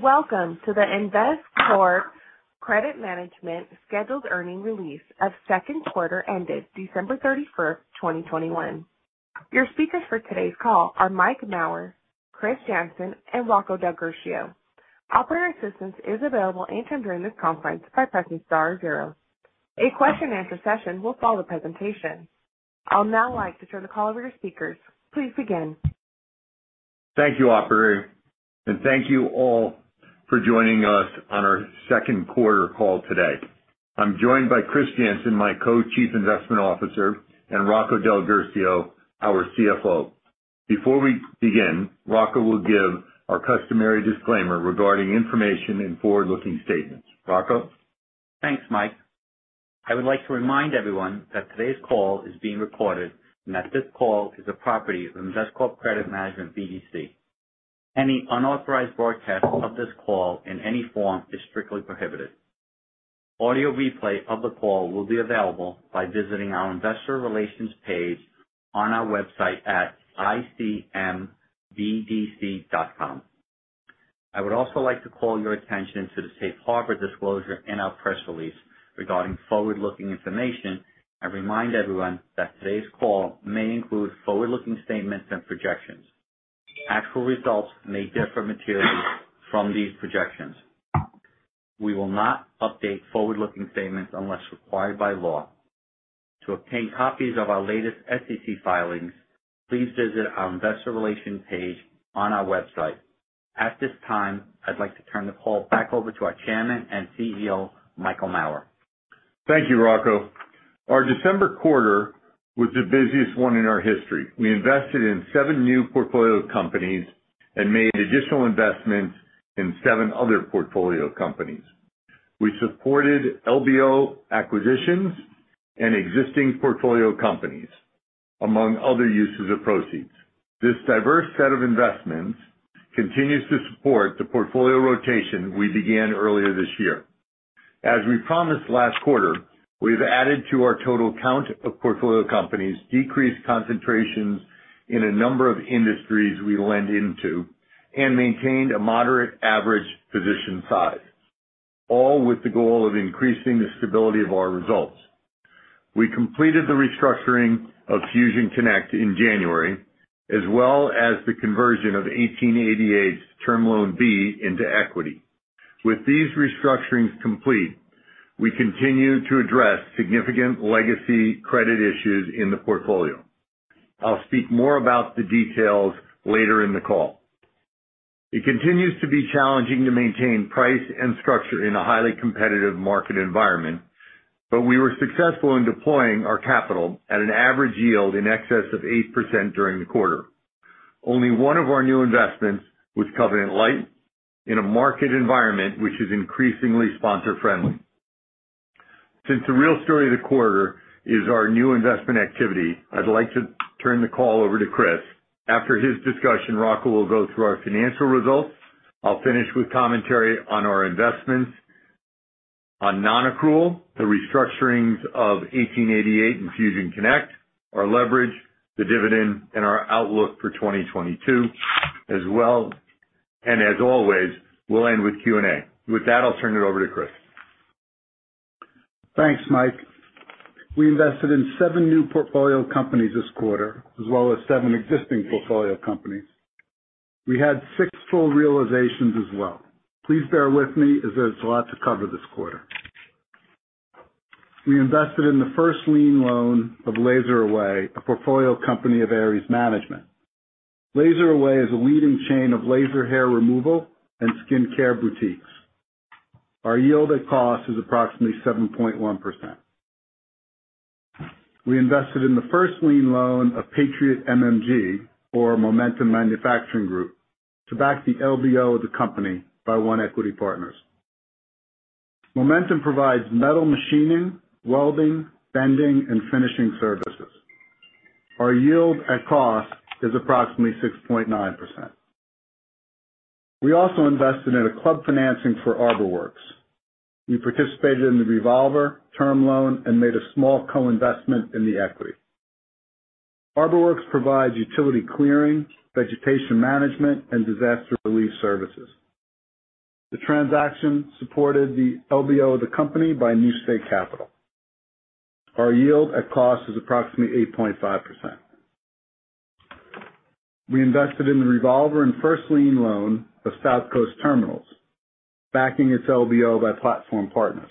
Welcome to the Investcorp Credit Management scheduled earnings release of second quarter ended December 31st, 2021. Your speakers for today's call are Mike Mauer, Chris Jansen, and Rocco DelGuercio. Operator assistance is available anytime during this conference by pressing star zero. A question and answer session will follow the presentation. I'd like to turn the call over to speakers. Please begin. Thank you, operator, and thank you all for joining us on our second quarter call today. I'm joined by Chris Jansen, my Co-Chief Investment Officer, and Rocco DelGuercio, our CFO. Before we begin, Rocco will give our customary disclaimer regarding information in forward-looking statements. Rocco. Thanks, Mike. I would like to remind everyone that today's call is being recorded and that this call is a property of Investcorp Credit Management BDC. Any unauthorized broadcast of this call in any form is strictly prohibited. Audio replay of the call will be available by visiting our Investor Relations page on our website at icmbdc.com. I would also like to call your attention to the safe harbor disclosure in our press release regarding forward-looking information and remind everyone that today's call may include forward-looking statements and projections. Actual results may differ materially from these projections. We will not update forward-looking statements unless required by law. To obtain copies of our latest SEC filings, please visit our Investor Relations page on our website. At this time, I'd like to turn the call back over to our Chairman and CEO, Michael Mauer. Thank you, Rocco. Our December quarter was the busiest one in our history. We invested in seven new portfolio companies and made additional investments in seven other portfolio companies. We supported LBO acquisitions and existing portfolio companies, among other uses of proceeds. This diverse set of investments continues to support the portfolio rotation we began earlier this year. As we promised last quarter, we've added to our total count of portfolio companies, decreased concentrations in a number of industries we lend into, and maintained a moderate average position size, all with the goal of increasing the stability of our results. We completed the restructuring of Fusion Connect in January, as well as the conversion of 1888's Term Loan B into equity. With these restructurings complete, we continue to address significant legacy credit issues in the portfolio. I'll speak more about the details later in the call. It continues to be challenging to maintain price and structure in a highly competitive market environment, but we were successful in deploying our capital at an average yield in excess of 8% during the quarter. Only one of our new investments was covenant-light in a market environment which is increasingly sponsor friendly. Since the real story of the quarter is our new investment activity, I'd like to turn the call over to Chris. After his discussion, Rocco will go through our financial results. I'll finish with commentary on our investments on non-accrual, the restructurings of 1888 and Fusion Connect, our leverage, the dividend, and our outlook for 2022 as well. As always, we'll end with Q&A. With that, I'll turn it over to Chris. Thanks, Mike. We invested in seven new portfolio companies this quarter as well as seven existing portfolio companies. We had six full realizations as well. Please bear with me as there's a lot to cover this quarter. We invested in the first lien loan of LaserAway, a portfolio company of Ares Management. LaserAway is a leading chain of laser hair removal and skincare boutiques. Our yield at cost is approximately 7.1%. We invested in the first lien loan of Patriot MMG for Momentum Manufacturing Group to back the LBO of the company by One Equity Partners. Momentum provides metal machining, welding, bending, and finishing services. Our yield at cost is approximately 6.9%. We also invested in a club financing for ArborWorks. We participated in the revolver term loan and made a small co-investment in the equity. ArborWorks provides utility clearing, vegetation management, and disaster relief services. The transaction supported the LBO of the company by New State Capital Partners. Our yield at cost is approximately 8.5%. We invested in the revolver and first lien loan of South Coast Terminals, backing its LBO by Platform Partners.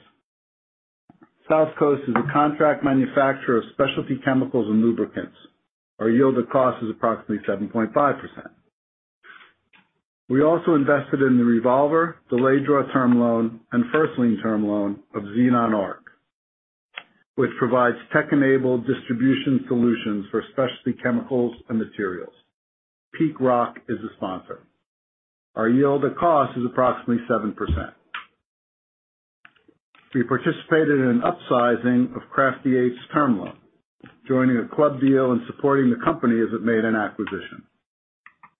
South Coast is a contract manufacturer of specialty chemicals and lubricants. Our yield at cost is approximately 7.5%. We also invested in the revolver, the delayed draw term loan, and first lien term loan of XenonArc, which provides tech-enabled distribution solutions for specialty chemicals and materials. Peak Rock Capital is the sponsor. Our yield at cost is approximately 7%. We participated in an upsizing of Crafty Apes term loan, joining a club deal and supporting the company as it made an acquisition.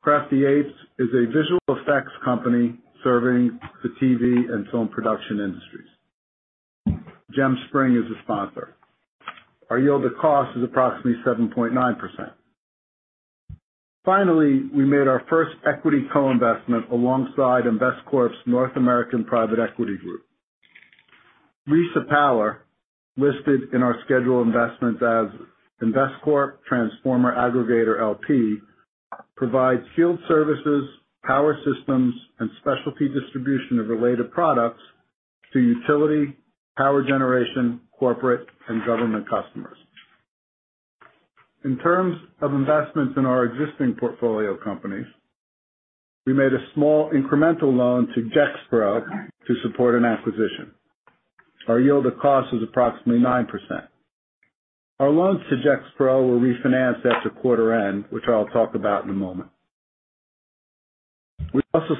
Crafty Apes is a visual effects company serving the TV and film production industries. Gemspring Capital is a sponsor. Our yield of cost is approximately 7.9%. Finally, we made our first equity co-investment alongside Investcorp's North American Private Equity Group. RESA Power, listed in our scheduled investments as Investcorp Transformer Aggregator LP, provides field services, power systems, and specialty distribution of related products to utility, power generation, corporate, and government customers. In terms of investments in our existing portfolio companies, we made a small incremental loan to DexPro to support an acquisition. Our yield of cost was approximately 9%. Our loans to DexPro were refinanced at the quarter end, which I'll talk about in a moment. We also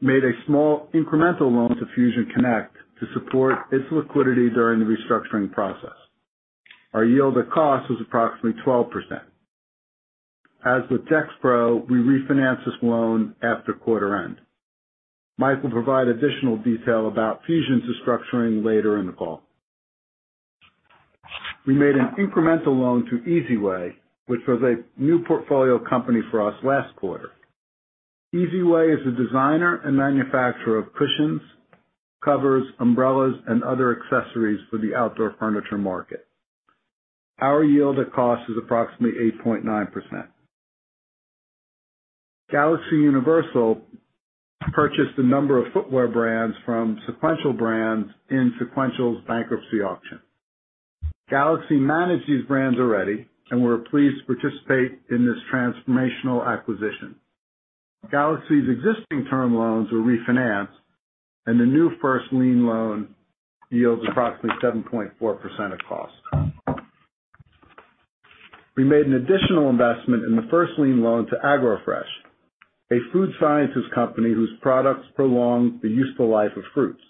made a small incremental loan to Fusion Connect to support its liquidity during the restructuring process. Our yield of cost was approximately 12%. As with DexPro, we refinanced this loan after quarter end. Mike will provide additional detail about Fusion's restructuring later in the call. We made an incremental loan to EasyWay, which was a new portfolio company for us last quarter. EasyWay is a designer and manufacturer of cushions, covers, umbrellas, and other accessories for the outdoor furniture market. Our yield at cost is approximately 8.9%. Galaxy Universal purchased a number of footwear brands from Sequential Brands in Sequential's bankruptcy auction. Galaxy managed these brands already, and we were pleased to participate in this transformational acquisition. Galaxy's existing term loans were refinanced, and the new first lien loan yields approximately 7.4% at cost. We made an additional investment in the first lien loan to AgroFresh, a food sciences company whose products prolong the useful life of fruits.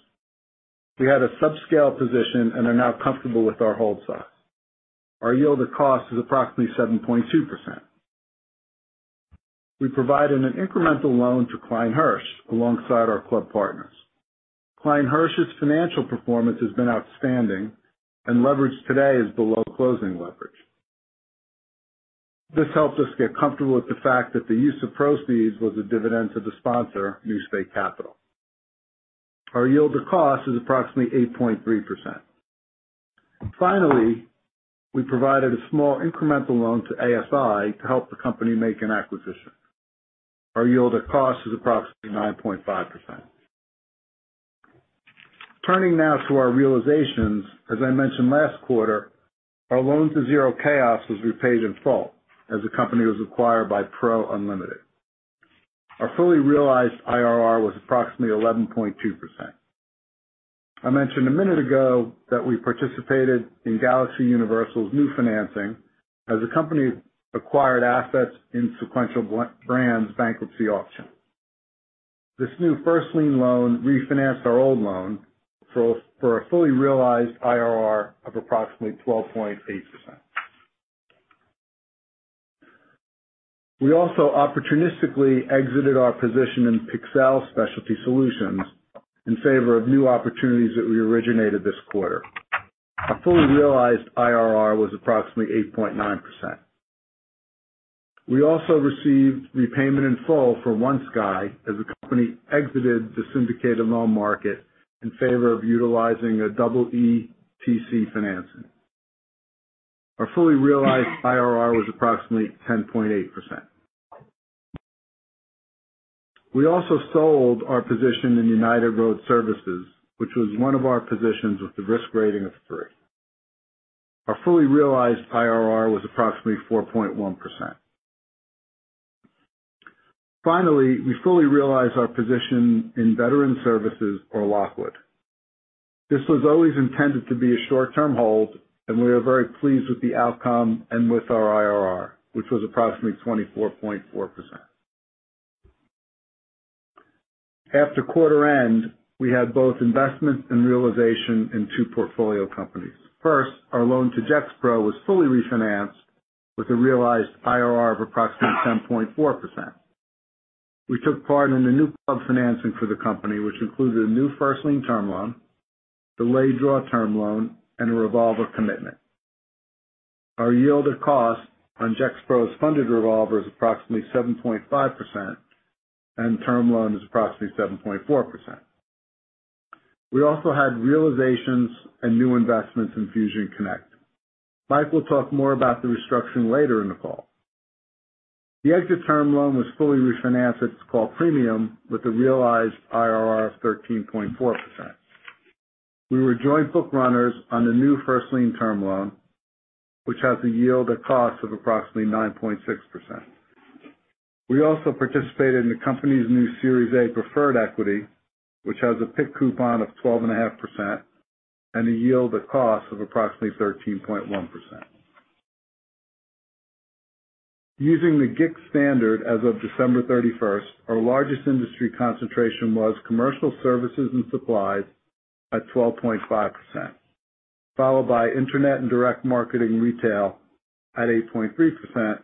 We had a subscale position and are now comfortable with our hold size. Our yield at cost is approximately 7.2%. We provided an incremental loan to Klein Hersh alongside our club partners. Klein Hersh's financial performance has been outstanding and leverage today is below closing leverage. This helps us get comfortable with the fact that the use of proceeds was a dividend to the sponsor, New State Capital Partners. Our yield at cost is approximately 8.3%. Finally, we provided a small incremental loan to ASI to help the company make an acquisition. Our yield at cost is approximately 9.5%. Turning now to our realizations, as I mentioned last quarter, our loan to ZeroChaos was repaid in full as the company was acquired by PRO Unlimited. Our fully realized IRR was approximately 11.2%. I mentioned a minute ago that we participated in Galaxy Universal's new financing as the company acquired assets in Sequential Brands Group's bankruptcy auction. This new first lien loan refinanced our old loan for a fully realized IRR of approximately 12.8%. We also opportunistically exited our position in Pixelle Specialty Solutions in favor of new opportunities that we originated this quarter. Our fully realized IRR was approximately 8.9%. We also received repayment in full from OneSky as the company exited the syndicated loan market in favor of utilizing an EETC financing. Our fully realized IRR was approximately 10.8%. We also sold our position in United Road Services, which was one of our positions with the risk rating of three. Our fully realized IRR was approximately 4.1%. Finally, we fully realized our position in Veteran Services or Lockwood. This was always intended to be a short-term hold, and we are very pleased with the outcome and with our IRR, which was approximately 24.4%. After quarter end, we had both investment and realization in two portfolio companies. First, our loan to DexPro was fully refinanced with a realized IRR of approximately 10.4%. We took part in the new club financing for the company, which included a new first lien term loan, delayed draw term loan, and a revolver commitment. Our yield of cost on DexPro's funded revolver is approximately 7.5%, and term loan is approximately 7.4%. We also had realizations and new investments in Fusion Connect. Mike will talk more about the restructuring later in the call. The exit term loan was fully refinanced at call premium with a realized IRR of 13.4%. We were joint book runners on the new first lien term loan, which has a yield at cost of approximately 9.6%. We also participated in the company's new Series A preferred equity, which has a PIK coupon of 12.5% and a yield at cost of approximately 13.1%. Using the GICS standard as of December 31st, our largest industry concentration was commercial services and supplies at 12.5%, followed by internet and direct marketing retail at 8.3%.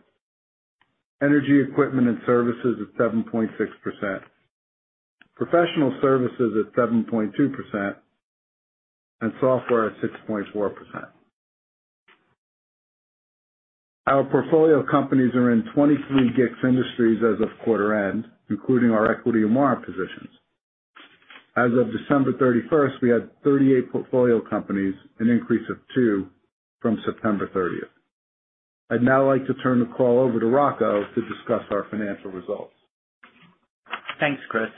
Energy equipment and services at 7.6%. Professional services at 7.2%. Software at 6.4%. Our portfolio companies are in 23 GICS industries as of quarter end, including our equity and other positions. As of December 31st, we had 38 portfolio companies, an increase of two from September 30th. I'd now like to turn the call over to Rocco to discuss our financial results. Thanks, Chris.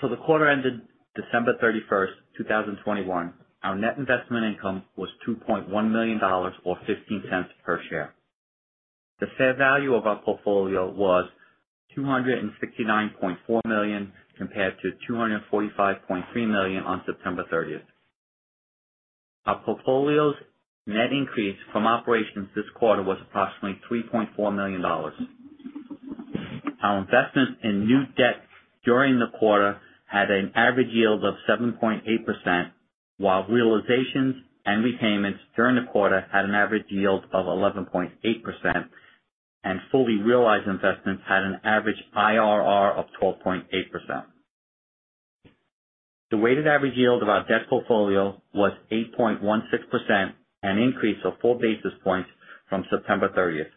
For the quarter ended December 31st, 2021, our net investment income was $2.1 million or $0.15 per share. The fair value of our portfolio was $269.4 million compared to $245.3 million on September 30. Our portfolio's net increase from operations this quarter was approximately $3.4 million. Our investment in new debt during the quarter had an average yield of 7.8%, while realizations and repayments during the quarter had an average yield of 11.8%. Fully realized investments had an average IRR of 12.8%. The weighted average yield of our debt portfolio was 8.16%, an increase of 4 basis points from September 30th.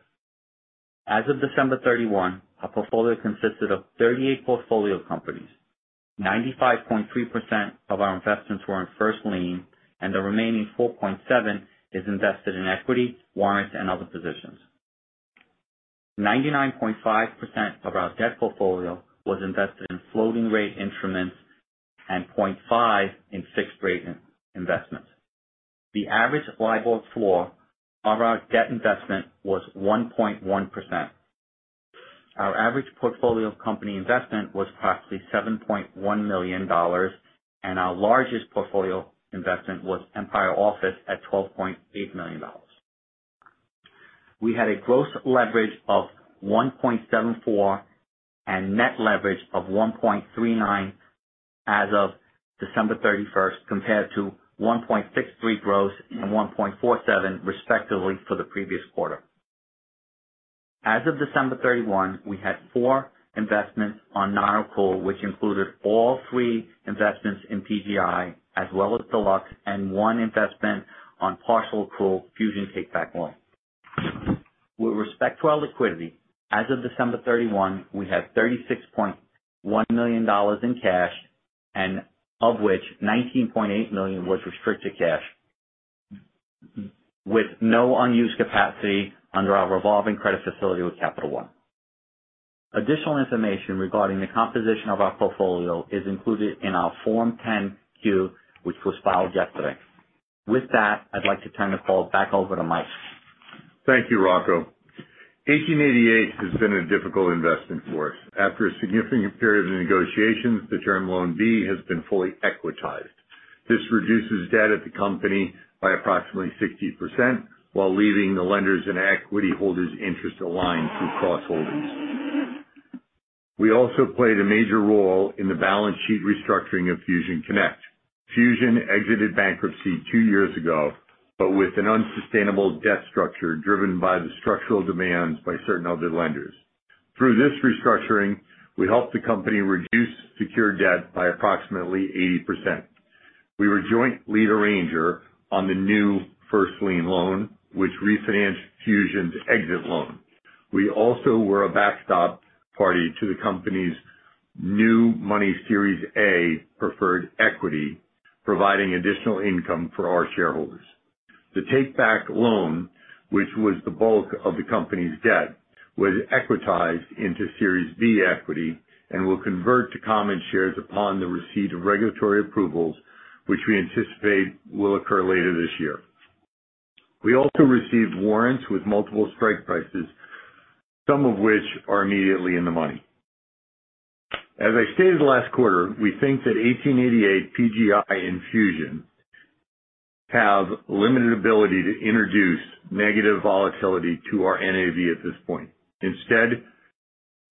As of December 31, our portfolio consisted of 38 portfolio companies. 95.3% of our investments were in first lien, and the remaining 4.7 is invested in equity, warrants, and other positions. 99.5% of our debt portfolio was invested in floating rate instruments and 0.5 in fixed rate investment. The average LIBOR floor of our debt investment was 1.1%. Our average portfolio company investment was approximately $7.1 million, and our largest portfolio investment was Empire Office at $12.8 million. We had a gross leverage of 1.74 and net leverage of 1.39 as of December 31st, compared to 1.63 gross and 1.47 respectively for the previous quarter. As of December 31, we had four investments on non-accrual, which included all three investments in PGI as well as Deluxe and one investment on partial accrual, Fusion take-back loan. With respect to our liquidity, as of December 31, we had $36.1 million in cash, and, of which, $19.8 million was restricted cash, with no unused capacity under our revolving credit facility with Capital One. Additional information regarding the composition of our portfolio is included in our Form 10-Q, which was filed yesterday. With that, I'd like to turn the call back over to Mike. Thank you, Rocco. 1888 has been a difficult investment for us. After a significant period of negotiations, the Term Loan B has been fully equitized. This reduces debt at the company by approximately 60% while leaving the lenders and equity holders' interest aligned through cross holdings. We also played a major role in the balance sheet restructuring of Fusion Connect. Fusion Connect exited bankruptcy two years ago, but with an unsustainable debt structure driven by the structural demands by certain other lenders. Through this restructuring, we helped the company reduce secured debt by approximately 80%. We were joint lead arranger on the new first lien loan, which refinanced Fusion Connect's exit loan. We also were a backstop party to the company's new money Series A preferred equity, providing additional income for our shareholders. The take-back loan, which was the bulk of the company's debt, was equitized into Series B equity and will convert to common shares upon the receipt of regulatory approvals, which we anticipate will occur later this year. We also received warrants with multiple strike prices, some of which are immediately in the money. As I stated last quarter, we think that 1888 PGI and Fusion have limited ability to introduce negative volatility to our NAV at this point. Instead,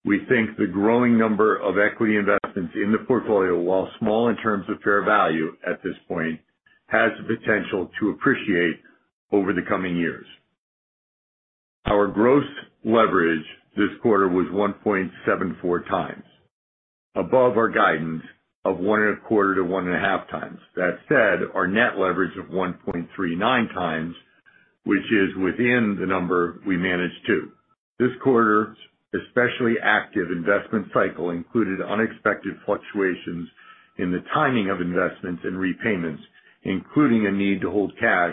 we think the growing number of equity investments in the portfolio, while small in terms of fair value at this point, has the potential to appreciate over the coming years. Our gross leverage this quarter was 1.74 times above our guidance of 1.25-1.5 times. That said, our net leverage of 1.39 times, which is within the number we managed to. This quarter's especially active investment cycle included unexpected fluctuations in the timing of investments and repayments, including a need to hold cash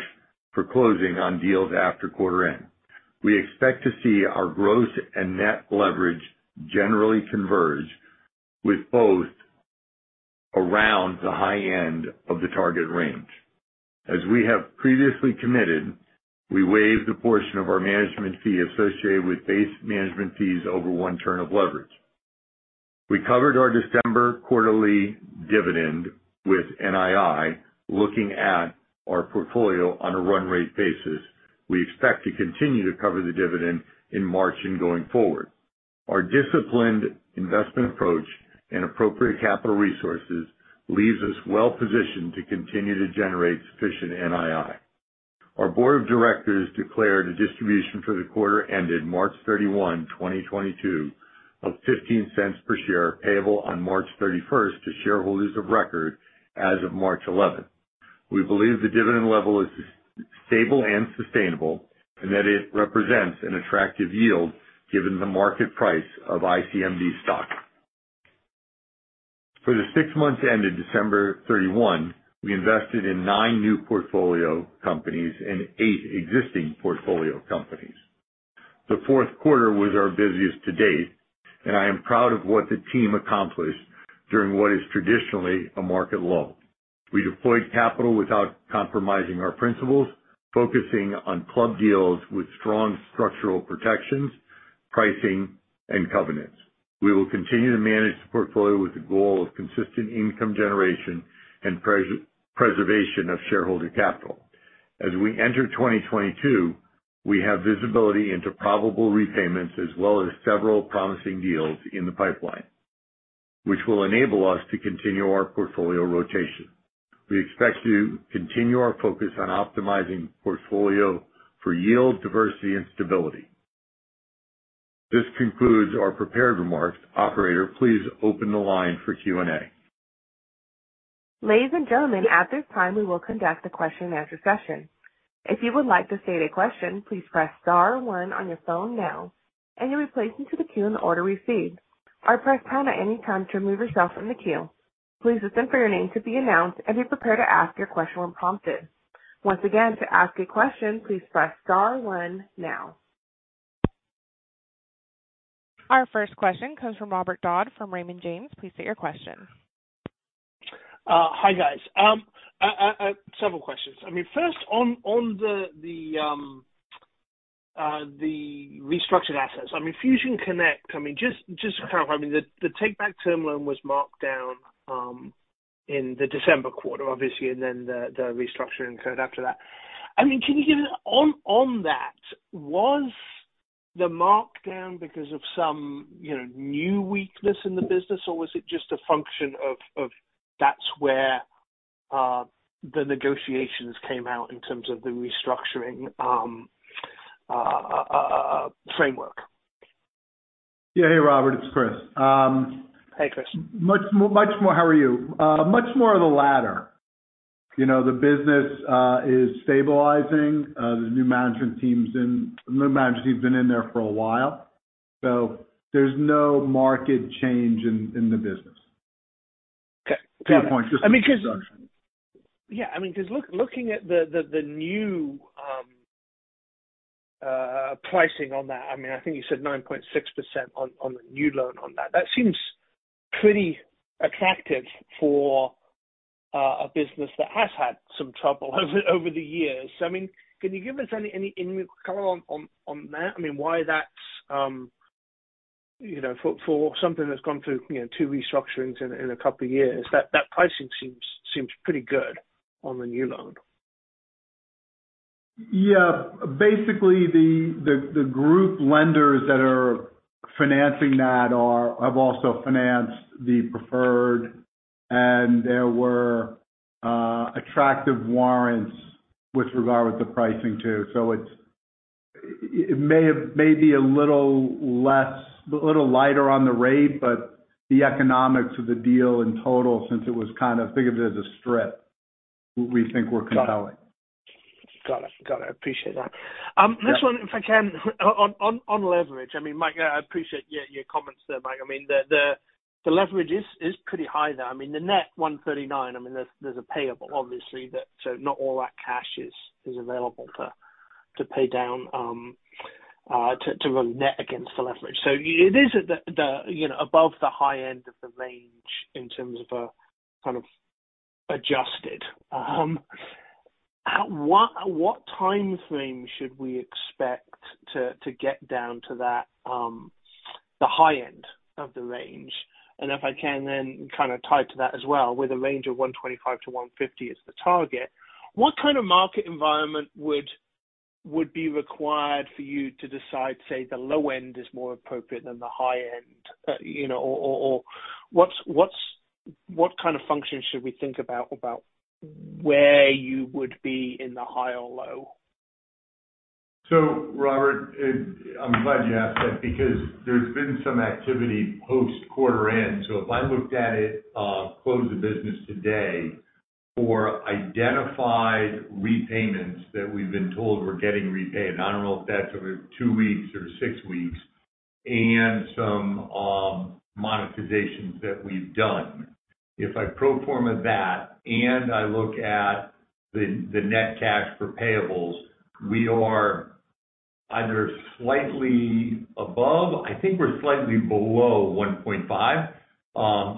for closing on deals after quarter end. We expect to see our gross and net leverage generally converge with both around the high end of the target range. As we have previously committed, we waived a portion of our management fee associated with base management fees over 1 turn of leverage. We covered our December quarterly dividend with NII. Looking at our portfolio on a run rate basis, we expect to continue to cover the dividend in March and going forward. Our disciplined investment approach and appropriate capital resources leaves us well positioned to continue to generate sufficient NII. Our board of directors declared a distribution for the quarter ended March 31, 2022 of $0.15 per share, payable on March 31st to shareholders of record as of March 11. We believe the dividend level is stable and sustainable, and that it represents an attractive yield given the market price of ICMB stock. For the six months ended December 31, we invested in nine new portfolio companies and eight existing portfolio companies. The fourth quarter was our busiest to date, and I am proud of what the team accomplished during what is traditionally a market lull. We deployed capital without compromising our principles, focusing on club deals with strong structural protections, pricing, and covenants. We will continue to manage the portfolio with the goal of consistent income generation and preservation of shareholder capital. As we enter 2022, we have visibility into probable repayments as well as several promising deals in the pipeline, which will enable us to continue our portfolio rotation. We expect to continue our focus on optimizing portfolio for yield, diversity and stability. This concludes our prepared remarks. Operator, please open the line for Q&A. Ladies and gentlemen, at this time, we will conduct a question and answer session. If you would like to state a question, please press star one on your phone now and you'll be placed into the queue in the order received. Or press pound at any time to remove yourself from the queue. Please listen for your name to be announced and be prepared to ask your question when prompted. Once again, to ask a question, please press star one now. Our first question comes from Robert Dodd from Raymond James. Please state your question. Hi, guys. Several questions. I mean, first on the restructured assets. I mean, Fusion Connect, I mean, just to clarify, I mean, the take-back term loan was marked down in the December quarter, obviously, and then the restructuring occurred after that. I mean, on that, was the markdown because of some, you know, new weakness in the business, or was it just a function of that's where the negotiations came out in terms of the restructuring framework? Yeah. Hey, Robert. It's Chris. Hey, Chris. Much more. How are you? Much more of the latter. You know, the business is stabilizing. The new management team's been in there for a while, so there's no market change in the business. Okay. Got it. Two points. I mean, 'cause. Just one discussion. Yeah. I mean, 'cause look, looking at the new pricing on that, I mean, I think you said 9.6% on the new loan on that. That seems pretty attractive for a business that has had some trouble over the years. I mean, can you give us any color on that? I mean, why that's, you know, for something that's gone through, you know, two restructurings in a couple of years, that pricing seems pretty good on the new loan. Yeah. Basically the group lenders that are financing have also financed the preferred, and there were attractive warrants with regard to the pricing too. It may be a little less, a little lighter on the rate, but the economics of the deal in total, since it was kind of think of it as a strip, we think were compelling. Got it. I appreciate that. Next one, if I can, on leverage. I mean, Mike, I appreciate your comments there, Mike. I mean, the leverage is pretty high there. I mean, the net 1.39, I mean, there's a payable obviously. Not all that cash is available to pay down to run net against the leverage. It is at the, you know, above the high end of the range in terms of a kind of adjusted. At what timeframe should we expect to get down to that, the high end of the range? If I can then kind of tie to that as well with a range of $125-$150 as the target, what kind of market environment would be required for you to decide, say, the low end is more appropriate than the high end? Or what kind of function should we think about where you would be in the high or low? Robert, I'm glad you asked that because there's been some activity post quarter end. If I looked at it closed the books today for identified repayments that we've been told we're getting repaid, I don't know if that's over two weeks or six weeks and some monetizations that we've done. If I pro forma that and I look at the net cash to payables, we are either slightly above. I think we're slightly below 1.5. I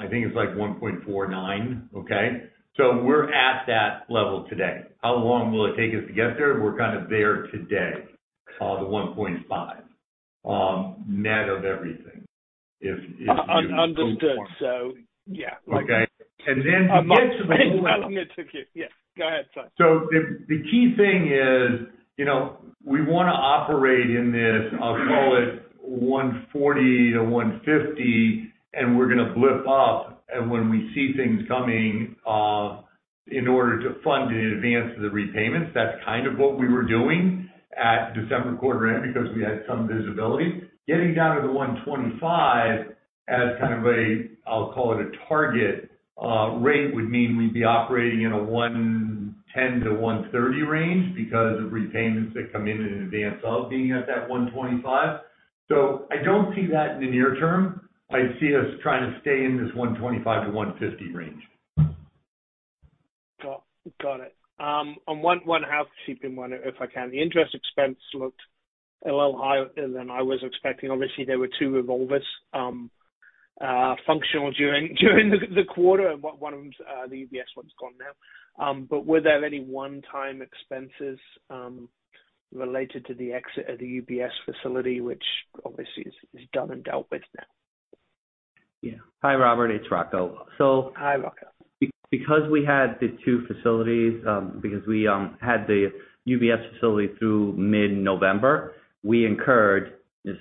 think it's like 1.49. Okay. We're at that level today. How long will it take us to get there? We're kind of there today, the 1.5 net of everything. Understood. Yeah. Okay. Yes. Go ahead, sorry. The key thing is, you know, we wanna operate in this, I'll call it 1.40-1.50, and we're gonna blip up. When we see things coming in order to fund in advance the repayments. That's kind of what we were doing at December quarter end because we had some visibility. Getting down to the 1.25 as kind of a, I'll call it a target rate, would mean we'd be operating in a 1.10-1.30 range because of repayments that come in in advance of being at that 1.25. I don't see that in the near term. I see us trying to stay in this 1.25-1.50 range. Got it. On 1H 2021, if I can. The interest expense looked a little higher than I was expecting. Obviously, there were two revolvers functional during the quarter. One of them's the UBS one that's gone now. But were there any one-time expenses related to the exit of the UBS facility, which obviously is done and dealt with now? Yeah. Hi, Robert. It's Rocco. So- Hi, Rocco. Because we had the two facilities, because we had the UBS facility through mid-November, we incurred this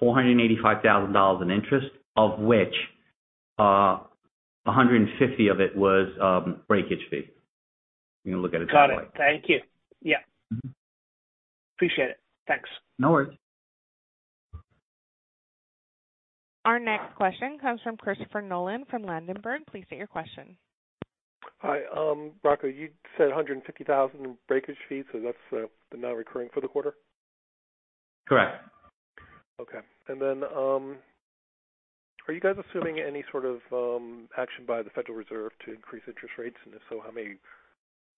$485,000 in interest, of which $150 of it was breakage fee. You can look at it that way. Got it. Thank you. Yeah. Mm-hmm. Appreciate it. Thanks. No worries. Our next question comes from Christopher Nolan from Ladenburg. Please state your question. Hi. Rocco, you said $150,000 in breakage fees, so that's the non-recurring for the quarter? Correct. Okay. Are you guys assuming any sort of action by the Federal Reserve to increase interest rates? If so, how many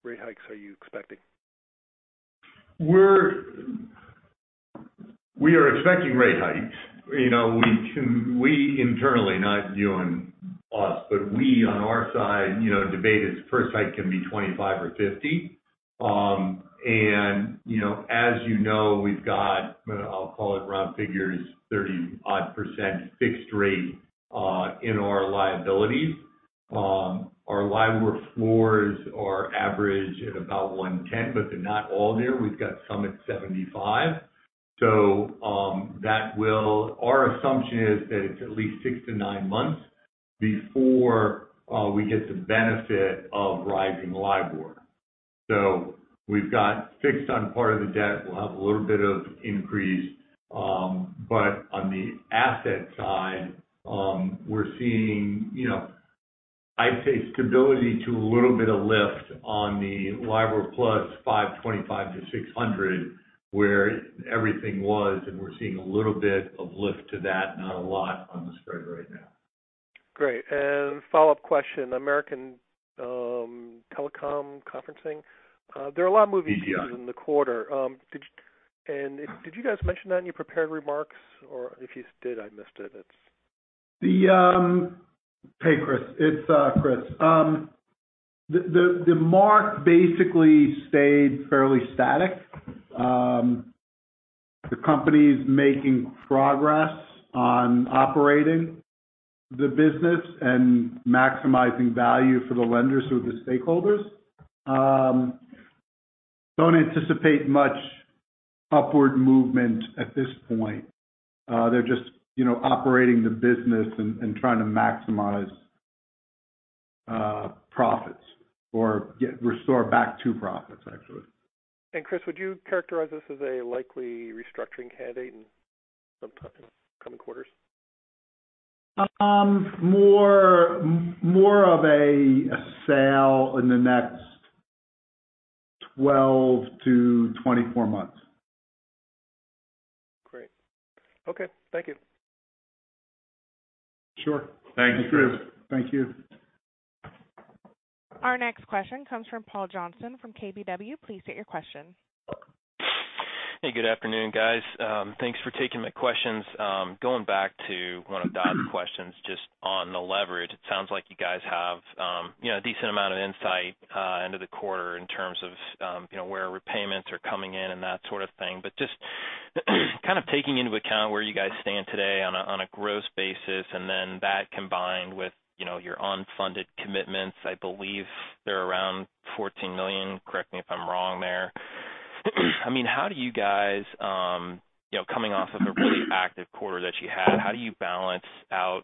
rate hikes are you expecting? We are expecting rate hikes. You know, we internally, not you and us, but we on our side, you know, debate its first hike can be 25 or 50. You know, as you know, we've got, I'll call it round figures, 30-odd% fixed rate in our liabilities. Our LIBOR floors are average at about 1.10, but they're not all there. We've got some at 0.75. Our assumption is that it's at least 6-9 months before we get the benefit of rising LIBOR. We've got fixed on part of the debt. We'll have a little bit of increase. On the asset side, we're seeing, you know, I'd say stability to a little bit of lift on the LIBOR + 525-600, where everything was, and we're seeing a little bit of lift to that, not a lot on the spread right now. Great. Follow-up question. American Teleconferencing. There are a lot of moving pieces- Yeah. in the quarter. Did you guys mention that in your prepared remarks? Or if you did, I missed it. It's. Hey, Chris. It's Chris. The mark basically stayed fairly static. The company's making progress on operating the business and maximizing value for the lenders or the stakeholders. Don't anticipate much upward movement at this point. They're just, you know, operating the business and trying to maximize profits or restore back to profits, actually. Chris, would you characterize this as a likely restructuring candidate in coming quarters? More of a sale in the next 12-24 months. Great. Okay. Thank you. Sure. Thanks, Chris. Thank you. Our next question comes from Paul Johnson from KBW. Please state your question. Hey, good afternoon, guys. Thanks for taking my questions. Going back to one of that questions just on the leverage. It sounds like you guys have, you know, a decent amount of insight end of the quarter in terms of, you know, where repayments are coming in and that sort of thing. Just kind of taking into account where you guys stand today on a gross basis and then that combined with, you know, your unfunded commitments, I believe they're around $14 million. Correct me if I'm wrong there. I mean, how do you guys, you know, coming off of a really active quarter that you had, how do you balance out,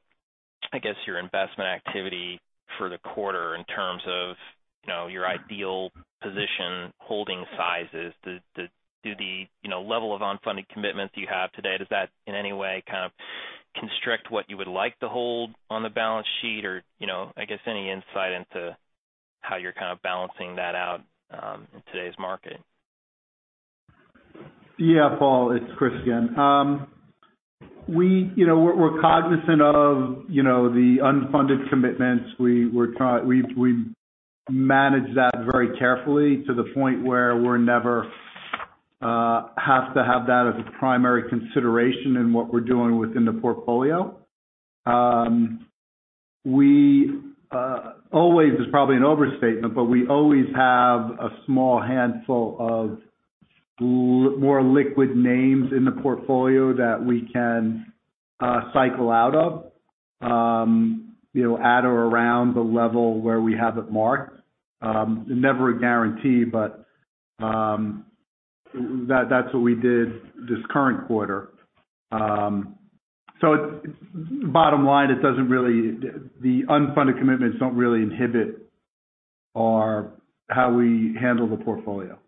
I guess, your investment activity for the quarter in terms of, you know, your ideal position holding sizes? Does the, you know, level of unfunded commitments you have today, does that in any way kind of constrict what you would like to hold on the balance sheet? Or, you know, I guess any insight into how you're kind of balancing that out, in today's market. Yeah, Paul, it's Christian. We, you know, we're cognizant of, you know, the unfunded commitments. We manage that very carefully to the point where we're never have to have that as a primary consideration in what we're doing within the portfolio. We always is probably an overstatement, but we always have a small handful of more liquid names in the portfolio that we can cycle out of, you know, at or around the level where we have it marked. Never a guarantee, but that's what we did this current quarter. Bottom line, the unfunded commitments don't really inhibit how we handle the portfolio.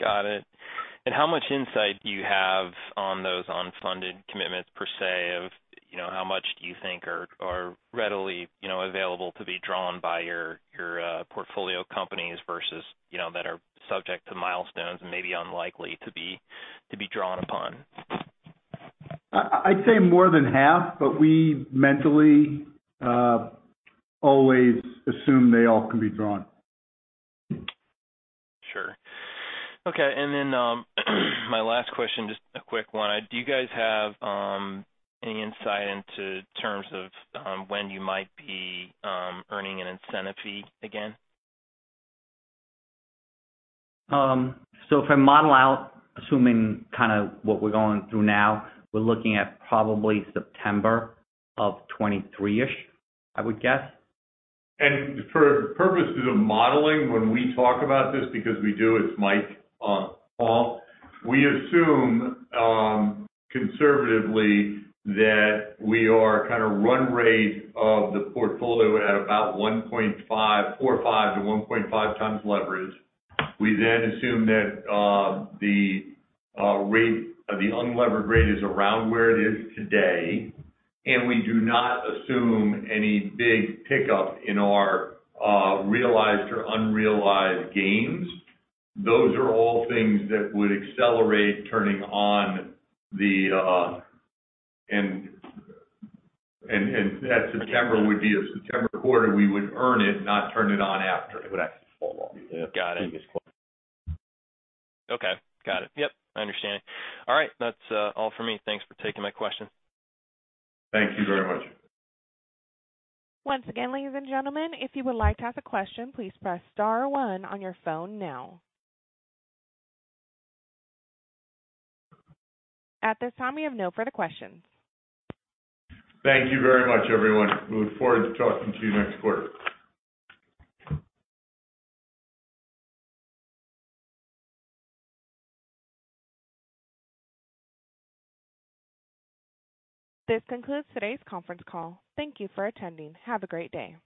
Got it. How much insight do you have on those unfunded commitments per se of, you know, how much do you think are readily, you know, available to be drawn by your portfolio companies versus, you know, that are subject to milestones and may be unlikely to be drawn upon? I'd say more than half, but we mentally always assume they all can be drawn. Sure. Okay. My last question, just a quick one. Do you guys have any insight in terms of when you might be earning an incentive fee again? From model out, assuming kind of what we're going through now, we're looking at probably September of 2023-ish, I would guess. For purposes of modeling, when we talk about this, because we do, it's Mike Hall. We assume conservatively that we are kind of run rate of the portfolio at about 1.545 to 1.5 times leverage. We then assume that the unlevered rate is around where it is today, and we do not assume any big pickup in our realized or unrealized gains. Those are all things that would accelerate turning on the. That September would be a September quarter, we would earn it, not turn it on after. It would actually fall on the previous quarter. Got it. Okay. Got it. Yep, I understand. All right. That's all for me. Thanks for taking my question. Thank you very much. Once again, ladies and gentlemen, if you would like to ask a question, please press star one on your phone now. At this time, we have no further questions. Thank you very much, everyone. We look forward to talking to you next quarter. This concludes today's conference call. Thank you for attending. Have a great day.